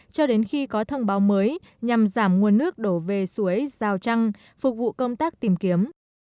cho đến khi có thông báo mới nhằm giảm nguồn nước đổ về suối rào trăng phục vụ công tác tìm kiếm